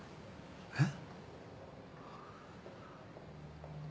えっ？